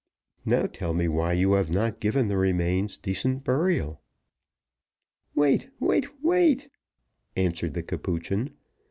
Now tell me why you have not given the remains decent burial." "Wait wait wait," answered the Capuchin.